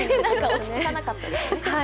落ち着かなかったですね。